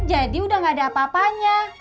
jadi udah gak ada apa apanya